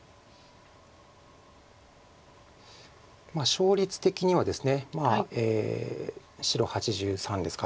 勝率的にはですね白８３ですか。